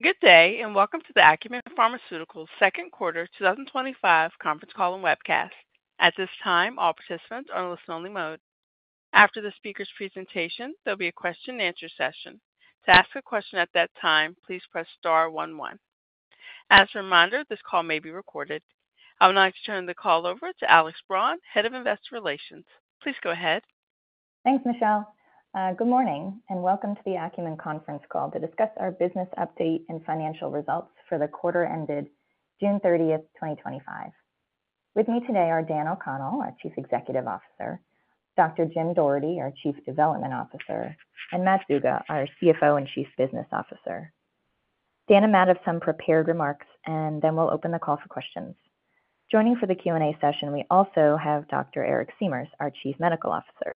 Good day and welcome to the Acumen Pharmaceuticals' Second Quarter 2025 Conference Call and Webcast. At this time, all participants are in listen-only mode. After the speaker's presentation, there will be a question-and-answer session. To ask a question at that time, please press star one one. As a reminder, this call may be recorded. I would now like to turn the call over to Alex Braun, Head of Investor Relations. Please go ahead. Thanks, Michelle. Good morning and welcome to the Acumen Pharmaceuticals conference call to discuss our business update and financial results for the quarter ended June 30th, 2025. With me today are Daniel O’Connell, our Chief Executive Officer, Dr. Jim Doherty, our Chief Development Officer, and Matt Zuga, our CFO and Chief Business Officer. Dan and Matt have some prepared remarks, and then we'll open the call for questions. Joining for the Q&A session, we also have Dr. Eric Siemers, our Chief Medical Officer.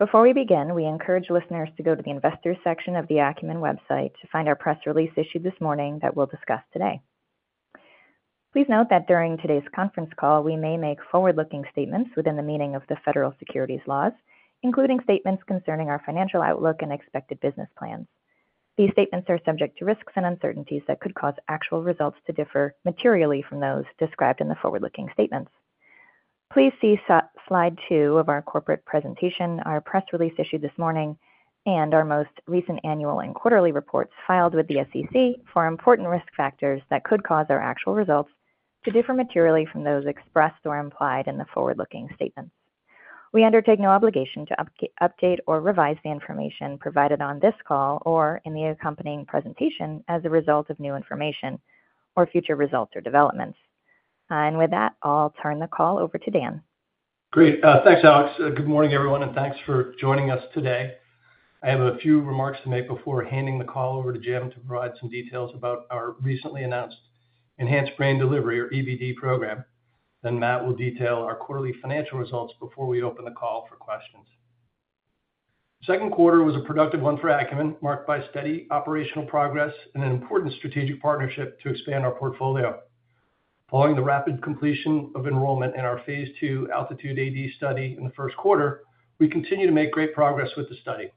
Before we begin, we encourage listeners to go to the Investors section of the Acumen Pharmaceuticals website to find our press release issued this morning that we'll discuss today. Please note that during today's conference call, we may make forward-looking statements within the meaning of the federal securities laws, including statements concerning our financial outlook and expected business plan. These statements are subject to risks and uncertainties that could cause actual results to differ materially from those described in the forward-looking statements. Please see slide two of our corporate presentation, our press release issued this morning, and our most recent annual and quarterly reports filed with the SEC for important risk factors that could cause our actual results to differ materially from those expressed or implied in the forward-looking statements. We undertake no obligation to update or revise the information provided on this call or in the accompanying presentation as a result of new information or future results or developments. With that, I'll turn the call over to Dan. Great. Thanks, Alex. Good morning, everyone, and thanks for joining us today. I have a few remarks to make before handing the call over to Jim to provide some details about our recently announced Enhanced Brand Delivery, or EBD, program. Then Matt will detail our quarterly financial results before we open the call for questions. The second quarter was a productive one for Acumen marked by steady operational progress and an important strategic partnership to expand our portfolio. Following the rapid completion of enrollment in our phase II ALTITUDE-AD study in the first quarter, we continue to make great progress with the study.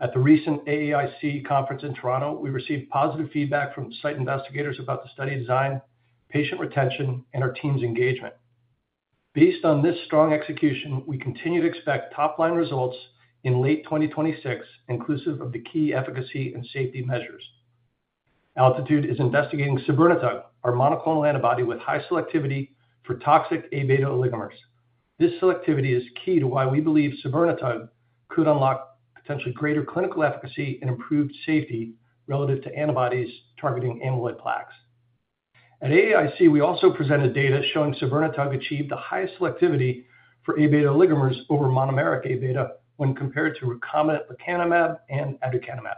At the recent AAIC conference in Toronto, we received positive feedback from site investigators about the study design, patient retention, and our team's engagement. Based on this strong execution, we continue to expect top-line results in late 2026, inclusive of the key efficacy and safety measures. ALTITUDE is investigating sabirnetug, our monoclonal antibody with high selectivity for toxic Aβ oligomers. This selectivity is key to why we believe sabirnetug could unlock potentially greater clinical efficacy and improved safety relative to antibodies targeting amyloid plaques. At AAIC, we also presented data showing sabirnetug achieved the highest selectivity for Aβ oligomers over monomeric Aβ when compared to recombinant lecanemab and aducanumab.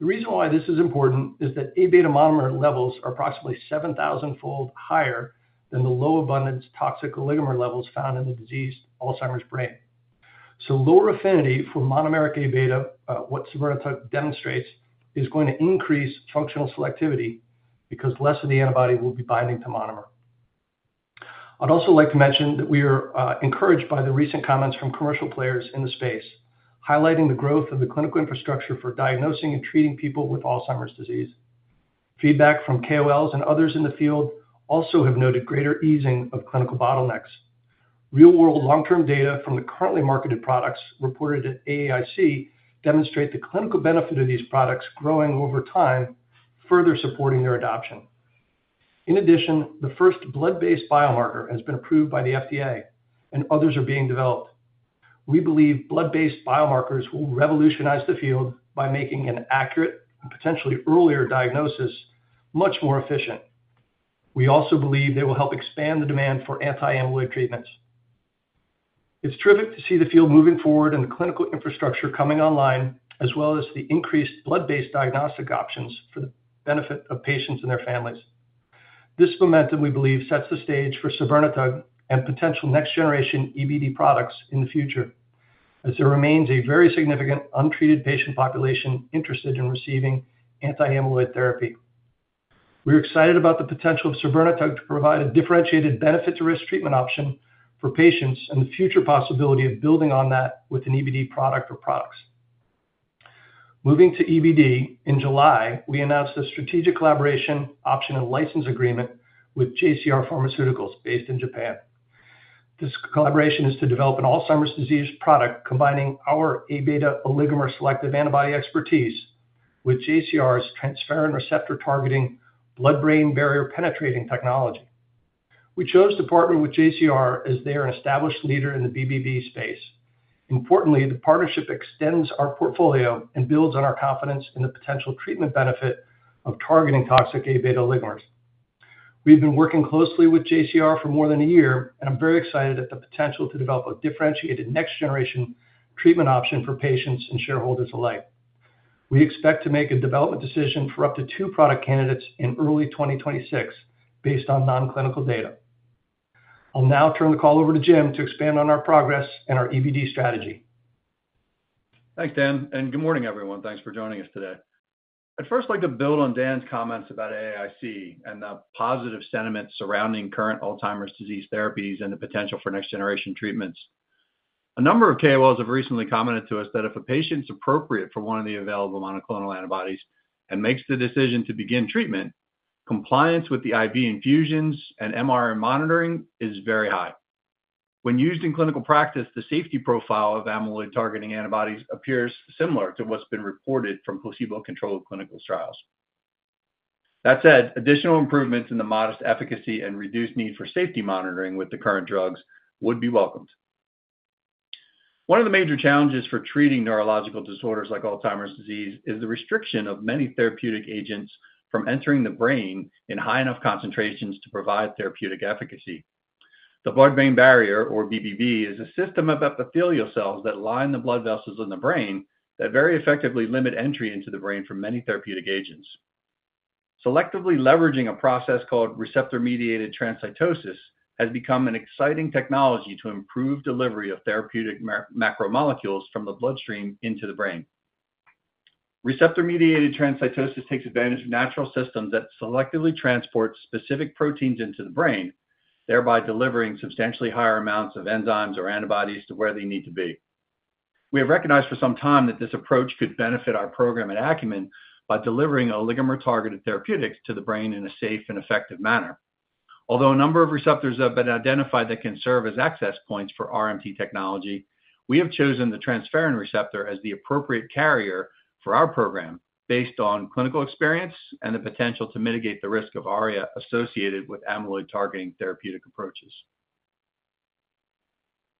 The reason why this is important is that Aβ monomer levels are approximately 7,000-fold higher than the low-abundance toxic oligomer levels found in the diseased Alzheimer's brain. Lower affinity for monomeric Aβ, which sabirnetug demonstrates, is going to increase functional selectivity because less of the antibody will be binding to monomer. I'd also like to mention that we are encouraged by the recent comments from commercial players in the space, highlighting the growth of the clinical infrastructure for diagnosing and treating people with Alzheimer's disease. Feedback from KOLs and others in the field also has noted greater easing of clinical bottlenecks. Real-world long-term data from the currently marketed products reported at AAIC demonstrate the clinical benefit of these products growing over time, further supporting their adoption. In addition, the first blood-based biomarker has been approved by the FDA, and others are being developed. We believe blood-based biomarkers will revolutionize the field by making an accurate and potentially earlier diagnosis much more efficient. We also believe they will help expand the demand for anti-amyloid treatments. It's terrific to see the field moving forward and the clinical infrastructure coming online, as well as the increased blood-based diagnostic options for the benefit of patients and their families. This momentum, we believe, sets the stage for sobirnetug and potential next-generation EBD products in the future, as there remains a very significant untreated patient population interested in receiving anti-amyloid therapy. We're excited about the potential of sobirnetug to provide a differentiated benefit-to-risk treatment option for patients and the future possibility of building on that with an EBD product or products. Moving to EBD, in July, we announced a strategic collaboration option and license agreement with JCR Pharmaceuticals based in Japan. This collaboration is to develop an Alzheimer's disease product combining our Aβ oligomer selective antibody expertise with JCR's transferrin receptor-targeting blood-brain barrier penetrating technology. We chose to partner with JCR as they are an established leader in the BBB space. Importantly, the partnership extends our portfolio and builds on our confidence in the potential treatment benefit of targeting toxic Aβ oligomers. We've been working closely with JCR for more than a year, and I'm very excited at the potential to develop a differentiated next-generation treatment option for patients and shareholders alike. We expect to make a development decision for up to two product candidates in early 2026 based on non-clinical data. I'll now turn the call over to Jim to expand on our progress and our EBD strategy. Thanks, Dan, and good morning, everyone. Thanks for joining us today. I'd first like to build on Dan's comments about AAIC and the positive sentiment surrounding current Alzheimer's disease therapies and the potential for next-generation treatments. A number of KOLs have recently commented to us that if a patient's appropriate for one of the available monoclonal antibodies and makes the decision to begin treatment, compliance with the IV infusions and MR monitoring is very high. When used in clinical practice, the safety profile of amyloid-targeting antibodies appears similar to what's been reported from placebo-controlled clinical trials. That said, additional improvements in the modest efficacy and reduced need for safety monitoring with the current drugs would be welcomed. One of the major challenges for treating neurological disorders like Alzheimer's disease is the restriction of many therapeutic agents from entering the brain in high enough concentrations to provide therapeutic efficacy. The blood-brain barrier, or BBB, is a system of epithelial cells that line the blood vessels in the brain that very effectively limit entry into the brain for many therapeutic agents. Selectively leveraging a process called receptor-mediated transcytosis has become an exciting technology to improve delivery of therapeutic macromolecules from the bloodstream into the brain. Receptor-mediated transcytosis takes advantage of natural systems that selectively transport specific proteins into the brain, thereby delivering substantially higher amounts of enzymes or antibodies to where they need to be. We have recognized for some time that this approach could benefit our program at Acumen by delivering oligomer-targeted therapeutics to the brain in a safe and effective manner. Although a number of receptors have been identified that can serve as access points for RMT technology, we have chosen the transferrin receptor as the appropriate carrier for our program based on clinical experience and the potential to mitigate the risk of ARIA associated with amyloid-targeting therapeutic approaches.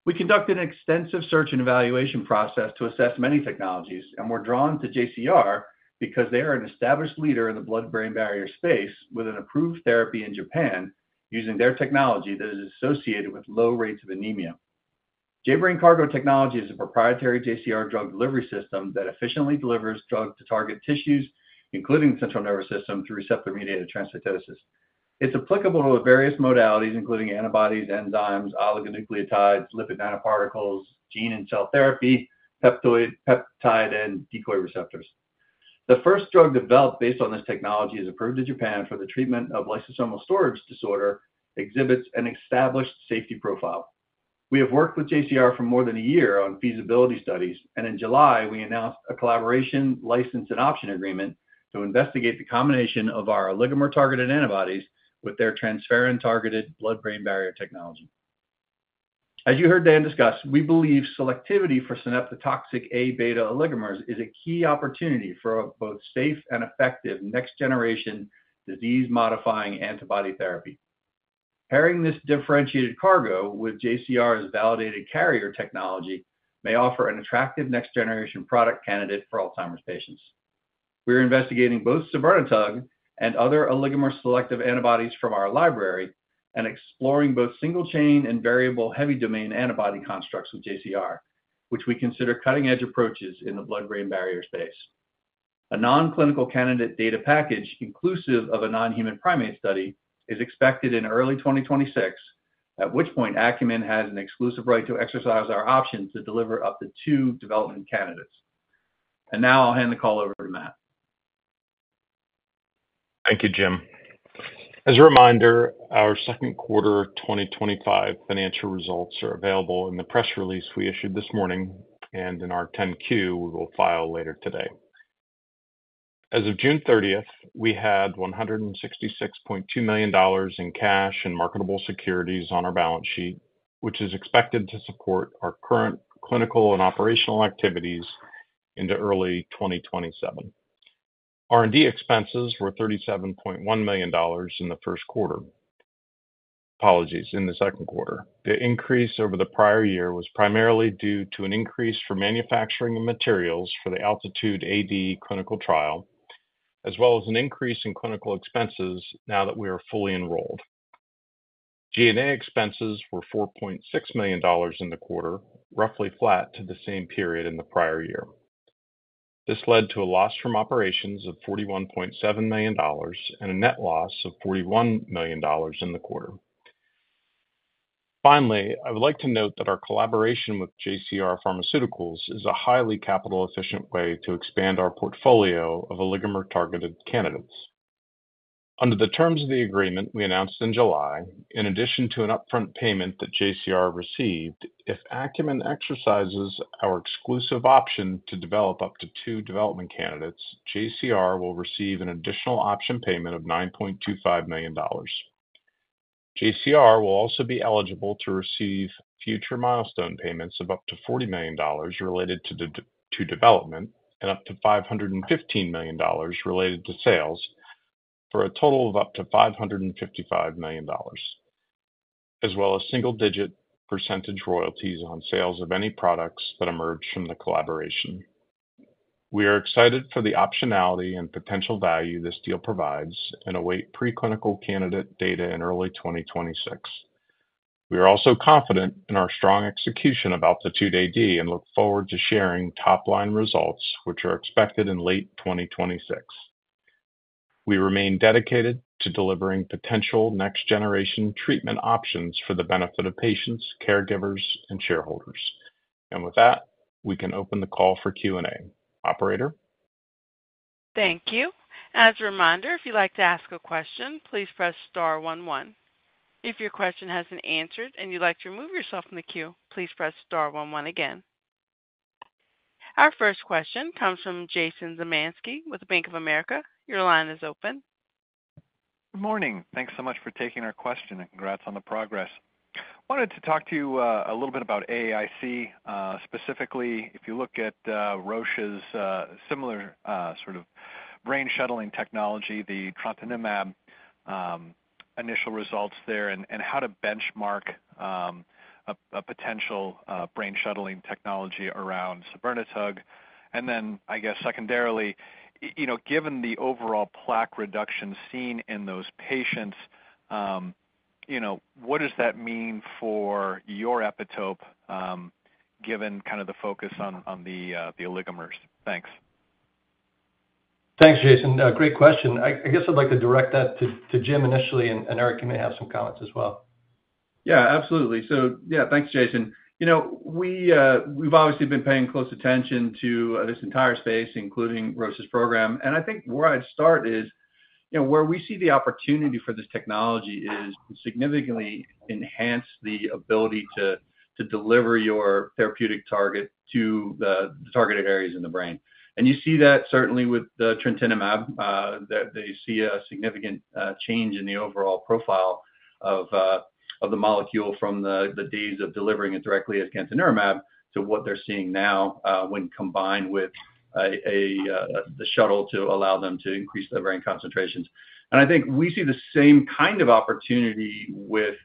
We conducted an extensive search and evaluation process to assess many technologies, and we're drawn to JCR because they are an established leader in the blood-brain barrier space with an approved therapy in Japan using their technology that is associated with low rates of anemia. J-Brain Cargo technology is a proprietary JCR Pharmaceuticals drug delivery system that efficiently delivers drug to target tissues, including the central nervous system, through receptor-mediated transcytosis. It's applicable to various modalities, including antibodies, enzymes, oligonucleotides, lipid nanoparticles, gene and cell therapy, peptide, and decoy receptors. The first drug developed based on this technology is approved in Japan for the treatment of lysosomal storage disorder and exhibits an established safety profile. We have worked with JCR for more than a year on feasibility studies, and in July, we announced a collaboration license and option agreement to investigate the combination of our oligomer-targeted antibodies with their transferrin-targeted blood-brain barrier technology. As you heard Dan discuss, we believe selectivity for synaptotoxic Aβ oligomers is a key opportunity for both safe and effective next-generation disease-modifying antibody therapy. Pairing this differentiated cargo with JCR's validated carrier technology may offer an attractive next-generation product candidate for Alzheimer's patients. We're investigating both sobirnetug and other oligomer-selective antibodies from our library and exploring both single-chain and variable heavy-domain antibody constructs with JCR, which we consider cutting-edge approaches in the blood-brain barrier space. A non-clinical data package inclusive of a non-human primate study is expected in early 2026, at which point Acumen has an exclusive right to exercise our option to deliver up to two development candidates. Now I'll hand the call over to Matt. Thank you, Jim. As a reminder, our second quarter 2025 financial results are available in the press release we issued this morning and in our 10-Q we will file later today. As of June 30th, we had $166.2 million in cash and marketable securities on our balance sheet, which is expected to support our current clinical and operational activities into early 2027. R&D expenses were $37.1 million in the first quarter. Apologies, in the second quarter. The increase over the prior year was primarily due to an increase for manufacturing and materials for the ALTITUDE-AD clinical trial, as well as an increase in clinical expenses now that we are fully enrolled. G&A expenses were $4.6 million in the quarter, roughly flat to the same period in the prior year. This led to a loss from operations of $41.7 million and a net loss of $41 million in the quarter. Finally, I would like to note that our collaboration with JCR Pharmaceuticals is a highly capital-efficient way to expand our portfolio of oligomer-targeted candidates. Under the terms of the agreement we announced in July, in addition to an upfront payment that JCR received, if Acumen exercises our exclusive option to develop up to two development candidates, JCR will receive an additional option payment of $9.25 million. JCR will also be eligible to receive future milestone payments of up to $40 million related to development and up to $515 million related to sales for a total of up to $555 million, as well as single-digit percentage royalties on sales of any products that emerge from the collaboration. We are excited for the optionality and potential value this deal provides and await preclinical candidate data in early 2026. We are also confident in our strong execution of ALTITUDE-AD and look forward to sharing top-line results, which are expected in late 2026. We remain dedicated to delivering potential next-generation treatment options for the benefit of patients, caregivers, and shareholders. With that, we can open the call for Q&A. Operator? Thank you. As a reminder, if you'd like to ask a question, please press star one one. If your question has been answered and you'd like to remove yourself from the queue, please press star one one again. Our first question comes from Jason Zemanski with Bank of America. Your line is open. Good morning. Thanks so much for taking our question and congrats on the progress. I wanted to talk to you a little bit about AAIC. Specifically, if you look at Roche's similar sort of brain-shuttling technology, the trontinemab initial results there, and how to benchmark a potential brain-shuttling technology around sobirnetug. I guess secondarily, given the overall plaque reduction seen in those patients, what does that mean for your epitope given kind of the focus on the oligomers? Thanks. Thanks, Jason. Great question. I guess I'd like to direct that to Jim initially, and Eric, you may have some comments as well. Yeah, absolutely. Thanks, Jason. We've obviously been paying close attention to this entire space, including Roche's program. I think where I'd start is where we see the opportunity for this technology is to significantly enhance the ability to deliver your therapeutic target to the targeted areas in the brain. You see that certainly with the trontinemab, they see a significant change in the overall profile of the molecule from the days of delivering it directly as cantaniramab to what they're seeing now when combined with the shuttle to allow them to increase their brain concentrations. I think we see the same kind of opportunity with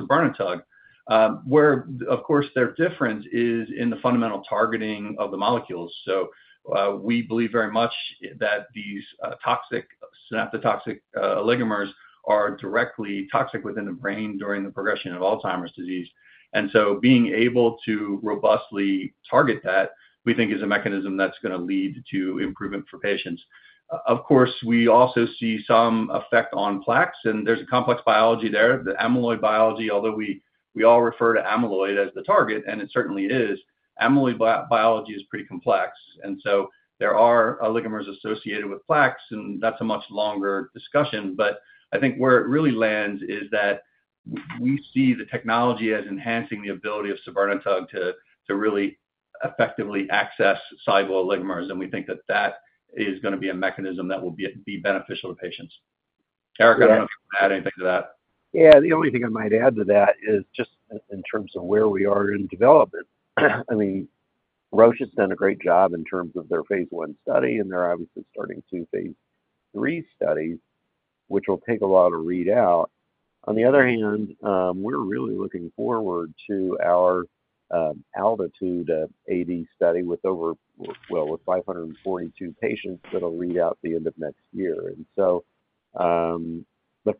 sobirnetug, where, of course, their difference is in the fundamental targeting of the molecules. We believe very much that these toxic synaptotoxic oligomers are directly toxic within the brain during the progression of Alzheimer's disease. Being able to robustly target that, we think, is a mechanism that's going to lead to improvement for patients. Of course, we also see some effect on plaques, and there's a complex biology there, the amyloid biology, although we all refer to amyloid as the target, and it certainly is. Amyloid biology is pretty complex, and so there are oligomers associated with plaques, and that's a much longer discussion. I think where it really lands is that we see the technology as enhancing the ability of sobirnetug to really effectively access soluble oligomers, and we think that is going to be a mechanism that will be beneficial to patients. Eric, I don't know if you want to add anything to that. Yeah, the only thing I might add to that is just in terms of where we are in development. I mean, Roche has done a great job in terms of their phase I study, and they're obviously starting to phase III studies, which will take a while to read out. On the other hand, we're really looking forward to our ALTITUDE-AD study with 542 patients that'll read out the end of next year.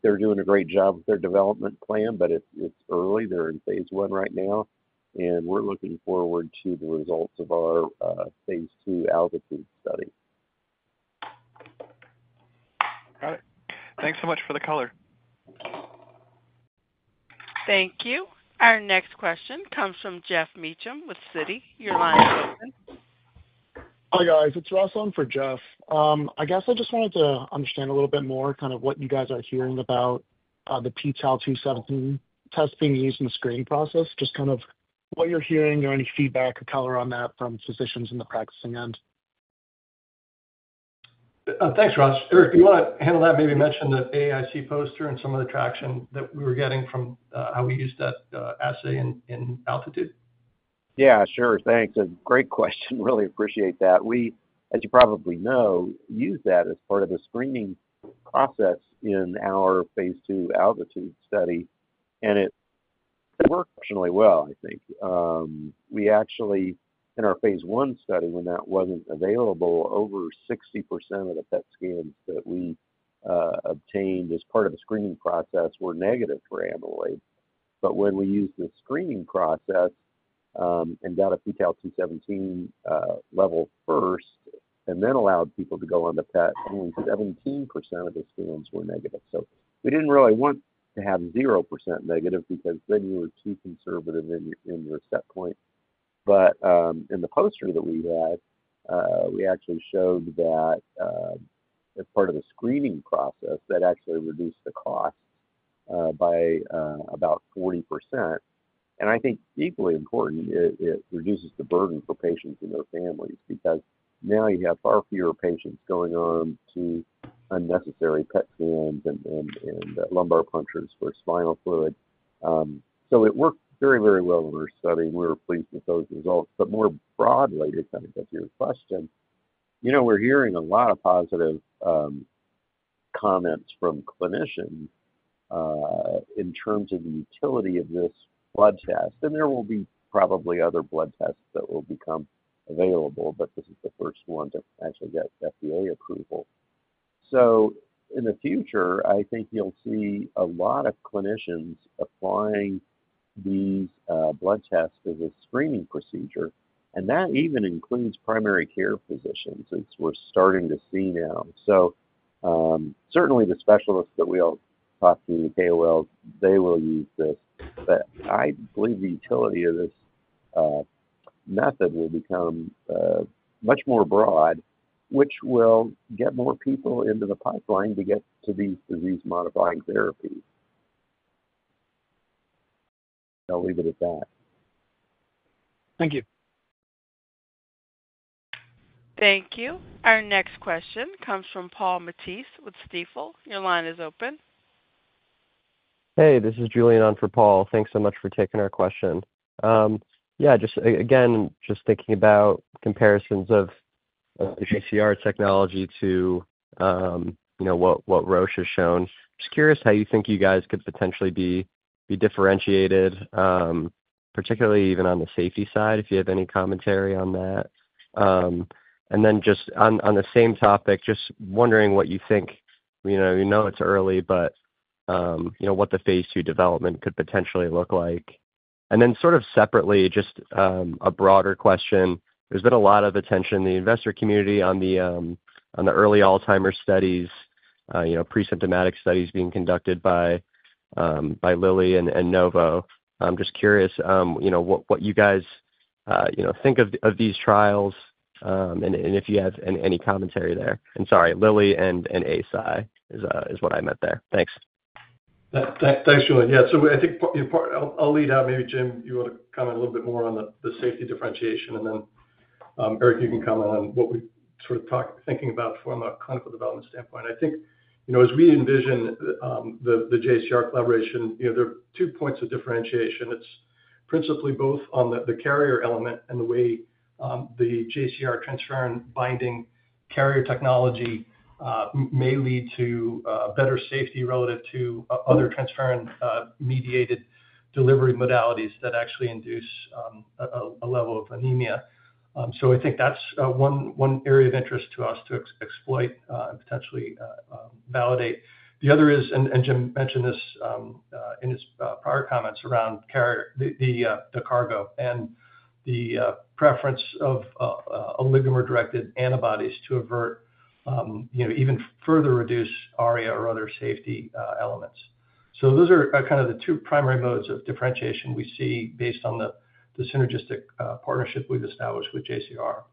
They're doing a great job with their development plan, but it's early. They're in phase I right now, and we're looking forward to the results of our phase II ALTITUDE study. Thanks so much for the color. Thank you. Our next question comes from Jeff Meacham with Citi. Your line is open. Hi, guys. It's Russ on for Jeff. I just wanted to understand a little bit more what you guys are hearing about the pTau217 screening assay used in the screening process, just what you're hearing or any feedback or color on that from physicians in the practicing end. Thanks, Russ. If you want to handle that, maybe mention the AAIC poster and some of the traction that we were getting from how we used that assay in ALTITUDE. Yeah, sure. Thanks. A great question. Really appreciate that. We, as you probably know, use that as part of the screening process in our phase II ALTITUDE study, and it worked really well, I think. We actually, in our phase I study, when that wasn't available, over 60% of the PET scans that we obtained as part of the screening process were negative for amyloid. When we used the screening process and got a pTau217 level first and then allowed people to go on the PET, only 17% of the scans were negative. We didn't really want to have 0% negative because then you were too conservative in your set point. In the poster that we had, we actually showed that as part of the screening process, that actually reduced the cost by about 40%. I think equally important, it reduces the burden for patients and their families because now you have far fewer patients going on to unnecessary PET scans and lumbar punctures for spinal fluid. It worked very, very well in our study, and we're pleased with those results. More broadly, to kind of get to your question, you know, we're hearing a lot of positive comments from clinicians in terms of the utility of this blood test, and there will be probably other blood tests that will become available, but this is the first one to actually get FDA approval. In the future, I think you'll see a lot of clinicians applying these blood tests as a screening procedure, and that even includes primary care physicians. We're starting to see now. Certainly, the specialists that we all talk to, KOLs, they will use this. I believe the utility of this method will become much more broad, which will get more people into the pipeline to get to these disease-modifying therapies. I'll leave it at that. Thank you. Thank you. Our next question comes from Paul Matteis with Stifel. Your line is open. Hey, this is Julian on for Paul. Thanks so much for taking our question. Just again, thinking about comparisons of the JCR technology to what Roche has shown. Just curious how you think you guys could potentially be differentiated, particularly even on the safety side, if you have any commentary on that. On the same topic, just wondering what you think, you know it's early, but what the phase II development could potentially look like. Sort of separately, just a broader question. There's been a lot of attention in the investor community on the early Alzheimer's studies, pre-symptomatic studies being conducted by Lilly and Novo. I'm just curious what you guys think of these trials and if you have any commentary there. Sorry, Lilly and [APPHI] is what I meant there. Thanks. Thanks, Julian. Yeah, I think I'll lead out. Maybe Jim, you want to comment a little bit more on the safety differentiation, and then Eric, you can comment on what we're sort of thinking about from a clinical development standpoint. As we envision the JCR collaboration, there are two points of differentiation. It's principally both on the carrier element and the way the JCR transferrin-binding carrier technology may lead to better safety relative to other transferrin-mediated delivery modalities that actually induce a level of anemia. I think that's one area of interest to us to exploit and potentially validate. The other is, and Jim mentioned this in his prior comments, around the cargo and the preference of oligomer-directed antibodies to avert even further reduced ARIA or other safety elements. Those are kind of the two primary modes of differentiation we see based on the synergistic partnership we've established with JCR.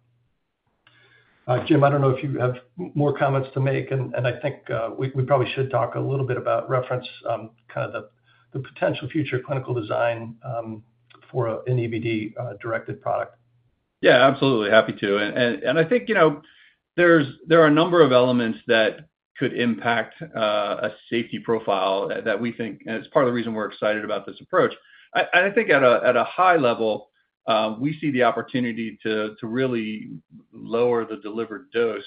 Jim, I don't know if you have more comments to make, and I think we probably should talk a little bit about reference, kind of the potential future clinical design for an EBD-directed product. Yeah, absolutely. Happy to. I think there are a number of elements that could impact a safety profile that we think, and it's part of the reason we're excited about this approach. At a high level, we see the opportunity to really lower the delivered dose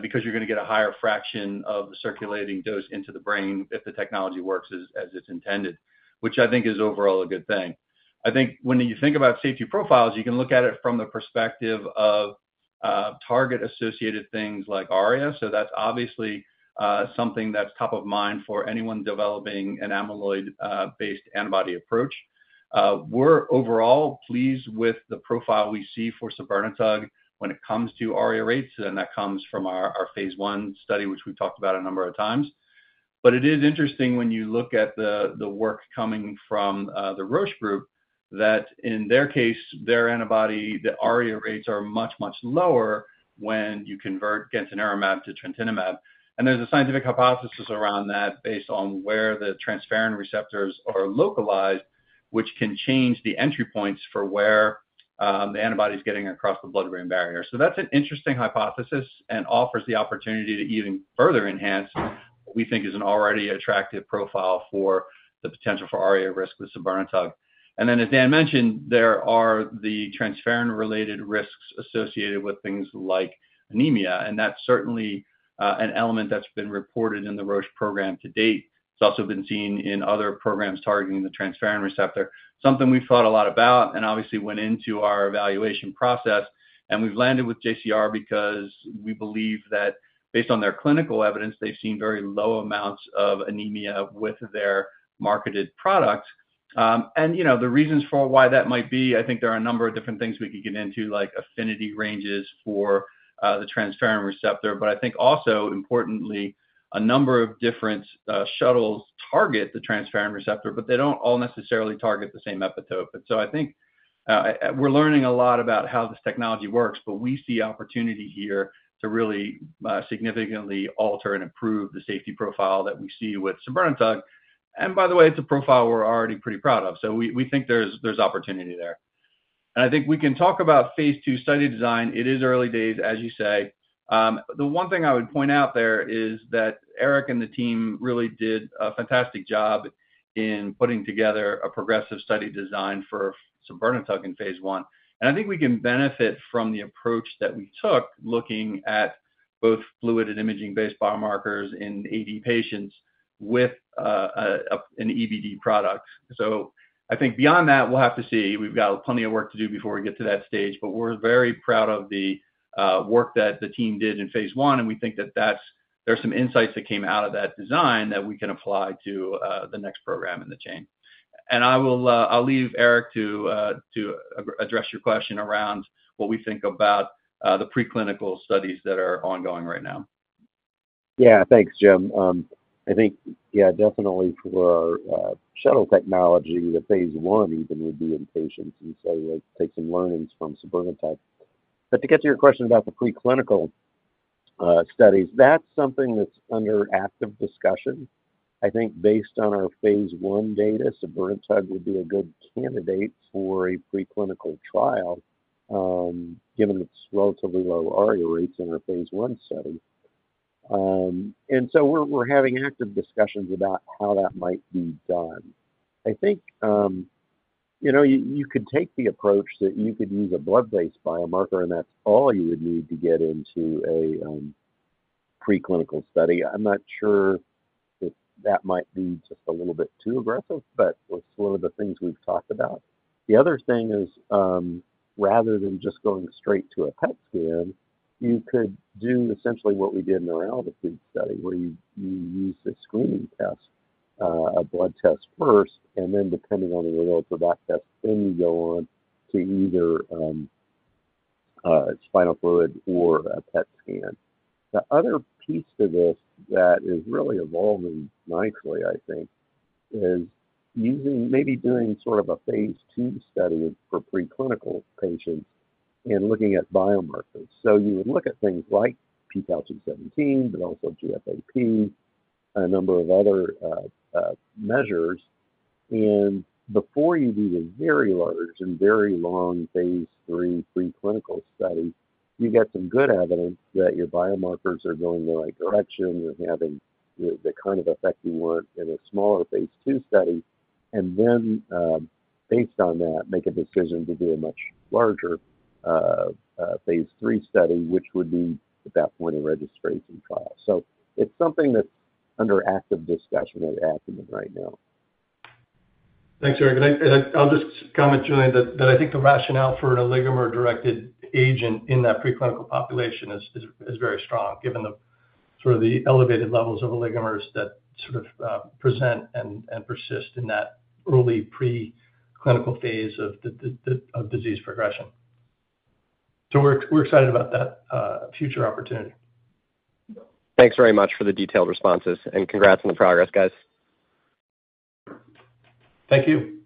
because you're going to get a higher fraction of the circulating dose into the brain if the technology works as it's intended, which I think is overall a good thing. When you think about safety profiles, you can look at it from the perspective of target-associated things like ARIA. That's obviously something that's top of mind for anyone developing an amyloid-based antibody approach. We're overall pleased with the profile we see for sobirnetug when it comes to ARIA rates, and that comes from our phase I study, which we've talked about a number of times. It is interesting when you look at the work coming from the Roche group that in their case, their antibody, the ARIA rates are much, much lower when you convert trontinemab to trontinemab. There's a scientific hypothesis around that based on where the transferrin receptors are localized, which can change the entry points for where the antibody is getting across the blood-brain barrier. That's an interesting hypothesis and offers the opportunity to even further enhance what we think is an already attractive profile for the potential for ARIA risk with sobirnetug. As Dan mentioned, there are the transferrin-related risks associated with things like anemia, and that's certainly an element that's been reported in the Roche program to date. It's also been seen in other programs targeting the transferrin receptor, something we've thought a lot about and obviously went into our evaluation process. We've landed with JCR because we believe that based on their clinical evidence, they've seen very low amounts of anemia with their marketed products. The reasons for why that might be, I think there are a number of different things we could get into, like affinity ranges for the transferrin receptor. Also importantly, a number of different shuttles target the transferrin receptor, but they don't all necessarily target the same epitope. I think we're learning a lot about how this technology works, but we see opportunity here to really significantly alter and improve the safety profile that we see with sobirnetug. By the way, it's a profile we're already pretty proud of. We think there's opportunity there. I think we can talk about phase II study design. It is early days, as you say. The one thing I would point out is that Eric and the team really did a fantastic job in putting together a progressive study design for sobirnetug in phase I. I think we can benefit from the approach that we took, looking at both fluid and imaging-based biomarkers in AD patients with an EBD product. I think beyond that, we'll have to see. We've got plenty of work to do before we get to that stage. We're very proud of the work that the team did in phase I, and we think that there are some insights that came out of that design that we can apply to the next program in the chain. I'll leave Eric to address your question around what we think about the preclinical studies that are ongoing right now. Yeah, thanks, Jim. I think, yeah, definitely for shuttle technology that phase I even may be inpatient. You say it takes some learnings from sobirnetug. To get to your question about the preclinical studies, that's something that's under active discussion. I think based on our phase I data, sobirnetug would be a good candidate for a preclinical trial given its relatively low ARIA rates in our phase I study. We are having active discussions about how that might be done. I think you could take the approach that you could use a blood-based biomarker, and that's all you would need to get into a preclinical study. I'm not sure if that might be just a little bit too aggressive, but it's one of the things we've talked about. The other thing is, rather than just going straight to a PET scan, you could do essentially what we did in our ALTITUDE study, where you use a screening test, a blood test first, and then depending on the result of that test, then you go on to either spinal fluid or a PET scan. The other piece to this that is really evolving nicely, I think, is maybe doing sort of a phase II study for preclinical patients and looking at biomarkers. You would look at things like pTau217, but also GFAP, a number of other measures. Before you do the very large and very long phase III preclinical study, you get some good evidence that your biomarkers are going in the right direction. You're having the kind of effect you want in a smaller phase II study. Based on that, make a decision to do a much larger phase III study, which would be at that point a registration trial. It's something that's under active discussion at Acumen right now. Thanks, Eric. I'll just comment, Julian, that I think the rationale for an oligomer-directed agent in that preclinical population is very strong, given the elevated levels of oligomers that present and persist in that early preclinical phase of disease progression. We're excited about that future opportunity. Thanks very much for the detailed responses, and congrats on the progress, guys. Thank you.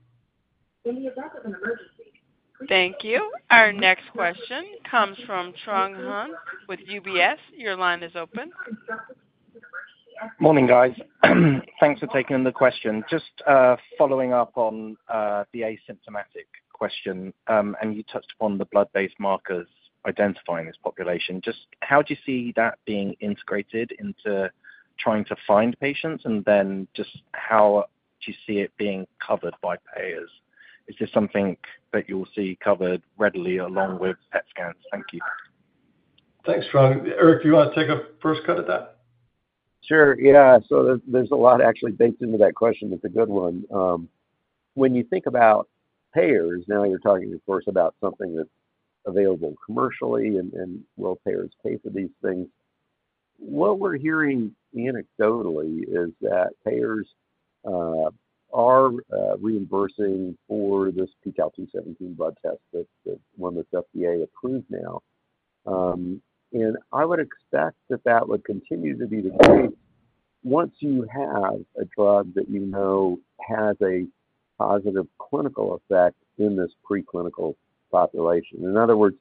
Thank you. Our next question comes from Chuang Nguyen with UBS. Your line is open. Morning, guys. Thanks for taking the question. Just following up on the asymptomatic question, and you touched upon the blood-based markers identifying this population. How do you see that being integrated into trying to find patients? How do you see it being covered by payers? Is this something that you'll see covered readily along with PET scans? Thank you. Thanks, Chuang. Eric, do you want to take a first cut at that? Sure. Yeah. There's a lot actually baked into that question. It's a good one. When you think about payers, now you're talking, of course, about something that's available commercially, and will payers pay for these things? What we're hearing anecdotally is that payers are reimbursing for this pTau217 screening assay, the one that's FDA approved now. I would expect that that would continue to be the case once you have a drug that you know has a positive clinical effect in this preclinical population. In other words,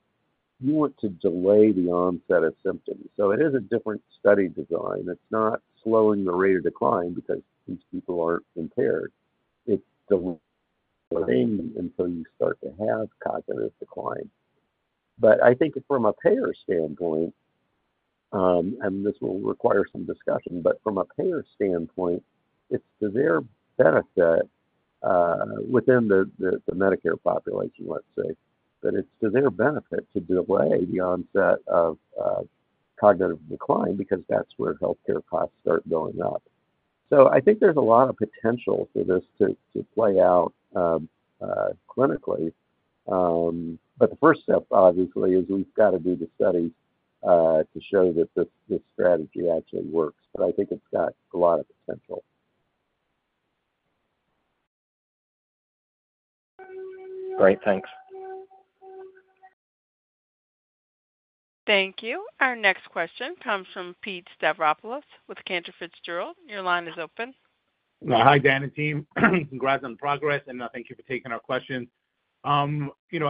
you want to delay the onset of symptoms. It is a different study design. It's not slowing the rate of decline because these people are impaired. It delays until you start to have cognitive decline. I think from a payer standpoint, and this will require some discussion, from a payer standpoint, it's to their benefit within the Medicare population, let's say, that it's to their benefit to delay the onset of cognitive decline because that's where healthcare costs start going up. I think there's a lot of potential for this to play out clinically. The first step, obviously, is we've got to do the study to show that this strategy actually works. I think it's got a lot of potential. Great. Thanks. Thank you. Our next question comes from Pete Stavropoulos with Cantor Fitzgerald. Your line is open. Hi, Dan and team. Congrats on the progress, and thank you for taking our question. As you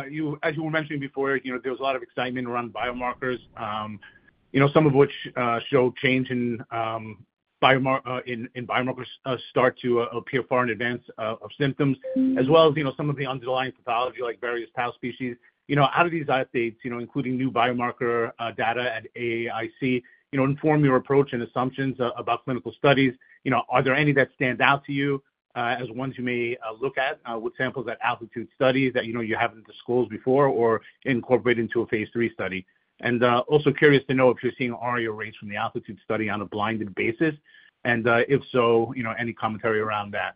were mentioning before, there was a lot of excitement around biomarkers, some of which show change in biomarkers start to appear far in advance of symptoms, as well as some of the underlying pathology, like various path species. How do these updates, including new biomarker data at AAIC, inform your approach and assumptions about clinical studies? Are there any that stand out to you as ones you may look at with samples at ALTITUDE studies that you haven't disclosed before or incorporate into a phase III study? Also curious to know if you're seeing ARIA rates from the ALTITUDE study on a blinded basis, and if so, any commentary around that?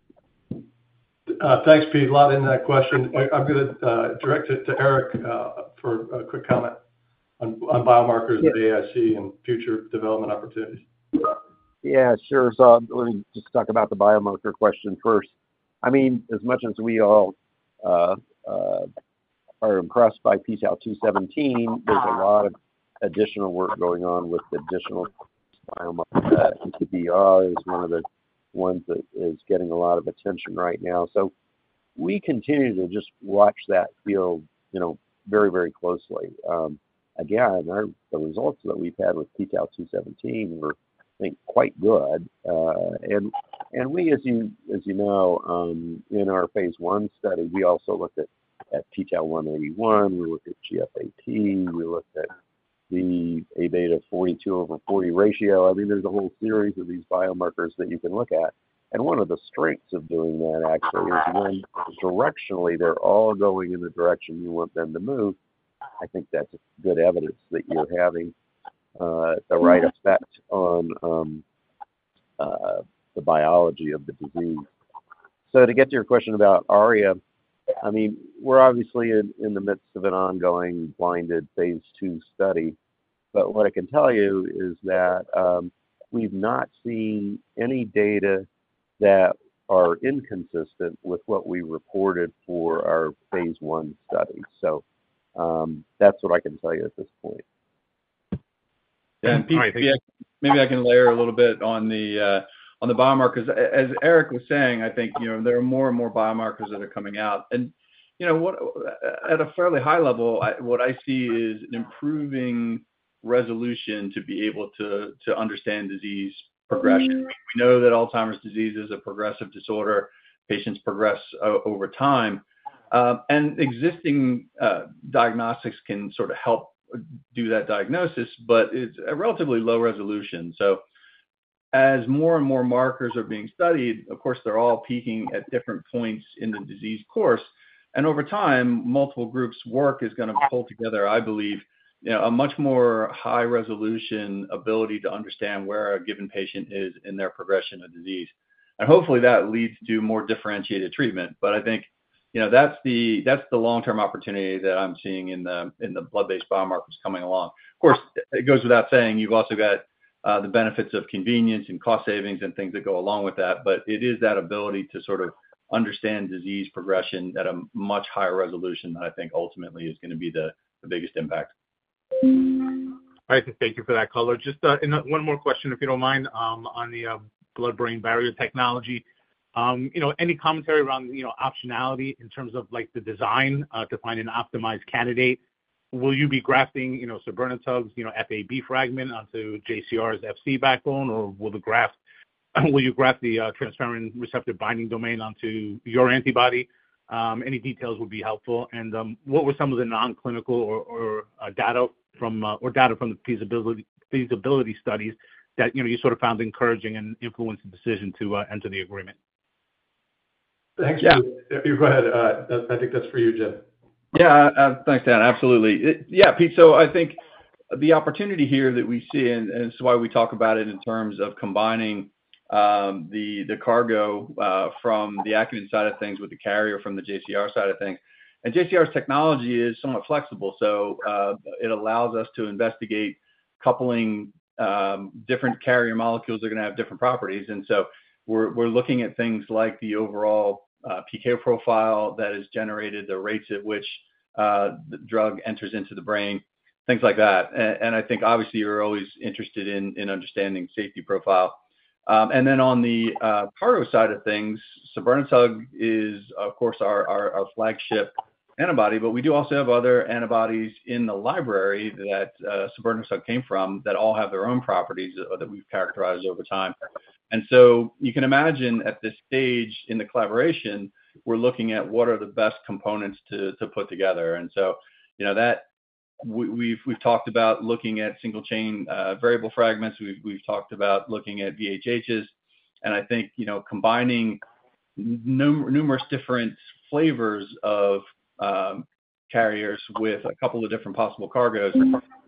Thanks, Pete. A lot in that question. I'm going to direct it to Eric for a quick comment on biomarkers at AAIC and future development opportunities. Yeah, sure. Let me just talk about the biomarker question first. I mean, as much as we all are impressed by the pTau217 screening assay, there's a lot of additional work going on with additional biomarkers. pTau is one of the ones that is getting a lot of attention right now. We continue to just watch that field very, very closely. The results that we've had with the pTau217 screening assay were, I think, quite good. As you know, in our phase I study, we also looked at pTau181. We looked at GFAP. We looked at the Aβ42 over 40 ratio. I mean, there's a whole series of these biomarkers that you can look at. One of the strengths of doing that, actually, is when directionally they're all going in the direction you want them to move, I think that's good evidence that you're having a right effect on the biology of the disease. To get to your question about ARIA, we're obviously in the midst of an ongoing blinded phase II study. What I can tell you is that we've not seen any data that are inconsistent with what we reported for our phase I study. That's what I can tell you at this point. Yeah, and Pete, maybe I can layer a little bit on the biomarkers. As Eric was saying, I think you know there are more and more biomarkers that are coming out. You know, at a fairly high level, what I see is an improving resolution to be able to understand disease progression. We know that Alzheimer's disease is a progressive disorder. Patients progress over time. Existing diagnostics can sort of help do that diagnosis, but it's a relatively low resolution. As more and more markers are being studied, of course, they're all peaking at different points in the disease course. Over time, multiple groups' work is going to pull together, I believe, a much more high-resolution ability to understand where a given patient is in their progression of disease. Hopefully, that leads to more differentiated treatment. I think that's the long-term opportunity that I'm seeing in the blood-based biomarkers coming along. Of course, it goes without saying you've also got the benefits of convenience and cost savings and things that go along with that. It is that ability to sort of understand disease progression at a much higher resolution that I think ultimately is going to be the biggest impact. All right. Thank you for that, college. Just one more question, if you don't mind, on the blood-brain barrier technology. Any commentary around optionality in terms of the design to find an optimized candidate? Will you be grafting sobirnetug's FAB fragment onto JCR's FC backbone, or will you graft the transferrin receptor binding domain onto your antibody? Any details would be helpful. What were some of the non-clinical data or data from the feasibility studies that you found encouraging and influenced the decision to enter the agreement? Thanks, Pete. Go ahead. I think that's for you, Jim. Yeah, thanks, Dan. Absolutely. Yeah, Pete. I think the opportunity here that we see, and this is why we talk about it in terms of combining the cargo from the Acumen side of things with the carrier from the JCR side of things. JCR's technology is somewhat flexible. It allows us to investigate coupling different carrier molecules that are going to have different properties. We're looking at things like the overall PK profile that is generated, the rates at which the drug enters into the brain, things like that. Obviously, you're always interested in understanding safety profile. On the cargo side of things, sobirnetug is, of course, our flagship antibody, but we do also have other antibodies in the library that sobirnetug came from that all have their own properties that we've characterized over time. You can imagine at this stage in the collaboration, we're looking at what are the best components to put together. You know that we've talked about looking at single-chain variable fragments. We've talked about looking at VHHs. I think combining numerous different flavors of carriers with a couple of different possible cargos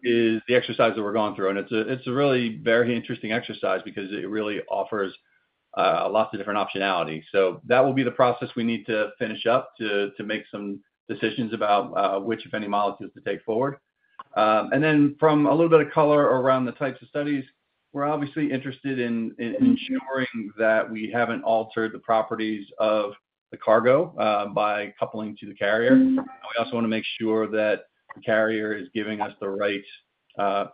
is the exercise that we're going through. It's a really very interesting exercise because it really offers lots of different optionality. That will be the process we need to finish up to make some decisions about which, if any, molecules to take forward. From a little bit of color around the types of studies, we're obviously interested in ensuring that we haven't altered the properties of the cargo by coupling to the carrier. We also want to make sure that the carrier is giving us the right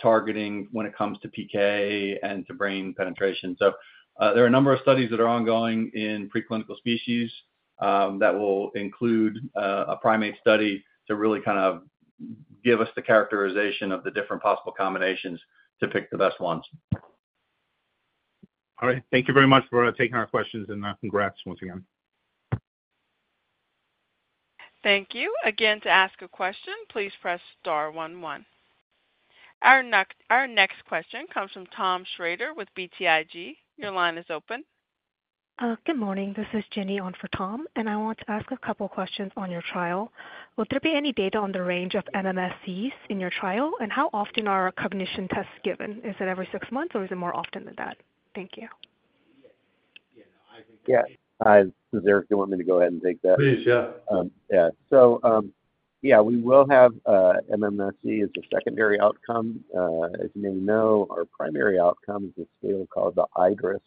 targeting when it comes to PK and to brain penetration. There are a number of studies that are ongoing in preclinical species that will include a primate study to really kind of give us the characterization of the different possible combinations to pick the best ones. All right. Thank you very much for taking our questions, and congrats once again. Thank you. Again, to ask a question, please press star one one. Our next question comes from Tom Schrader with BTIG. Your line is open. Good morning. This is Jenny on for Tom, and I want to ask a couple of questions on your trial. Would there be any data on the range of MMSEs in your trial, and how often are cognition tests given? Is it every six months, or is it more often than that? Thank you. Yeah, I think. Do you want me to go ahead and take that? Please, yeah. Yeah. We will have MMSE as the secondary outcome. As you may know, our primary outcome is a scale called the IDRIS,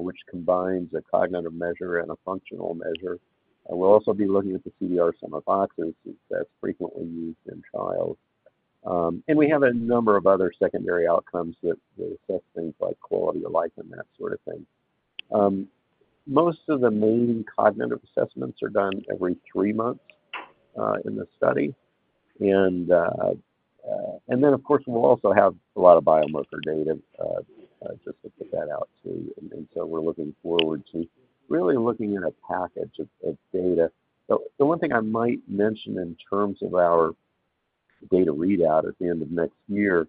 which combines a cognitive measure and a functional measure. We'll also be looking at the CDR sum of boxes that are frequently used in trials. We have a number of other secondary outcomes that affect things like quality of life and that sort of thing. Most of the main cognitive assessments are done every three months in the study. Of course, we'll also have a lot of biomarker data just to put that out too. We're looking forward to really looking at a package of data. One thing I might mention in terms of our data readout at the end of next year,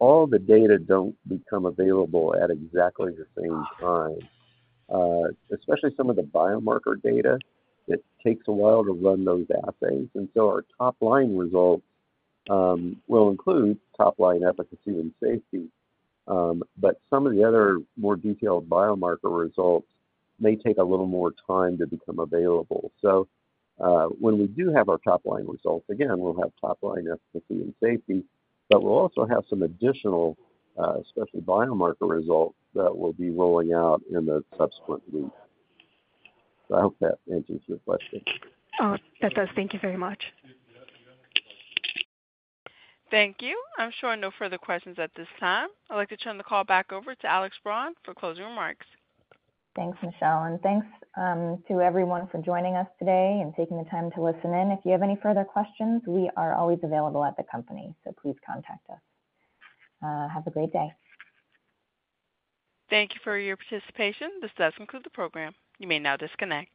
all the data don't become available at exactly the same time, especially some of the biomarker data. It takes a while to run those assays. Our top-line result will include top-line efficacy and safety. Some of the other more detailed biomarker results may take a little more time to become available. When we do have our top-line results, again, we'll have top-line efficacy and safety, but we'll also have some additional, especially biomarker results that will be rolling out in the subsequent weeks. I hope that answers your question. That does. Thank you very much. Thank you. I'm showing no further questions at this time. I'd like to turn the call back over to Alex Braun for closing remarks. Thanks, Michelle. Thanks to everyone for joining us today and taking the time to listen in. If you have any further questions, we are always available at the company, so please contact us. Have a great day. Thank you for your participation. This does conclude the program. You may now disconnect.